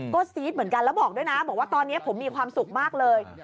ก็ซี๊ดเหมือนกันแล้วบอกด้วยนะบอกว่าตอนนี้ผมมีความสุขมากเลย